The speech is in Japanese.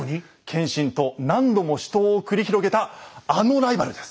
謙信と何度も死闘を繰り広げたあのライバルです。